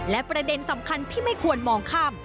และประเด็นสำคัญที่ไม่ควรมองข้าม